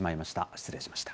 失礼しました。